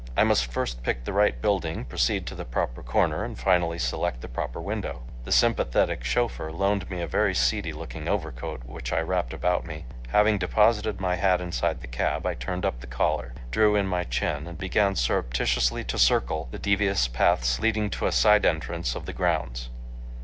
I must first pick the right building, proceed to the proper corner, and finally select the proper window. The sympathetic chauffeur loaned me a very seedy looking overcoat which I wrapped about me. Having deposited my hat inside the cab, I turned up the collar, drew in my chin and began surreptitiously to circle the devious paths leading to a side entrance of the grounds.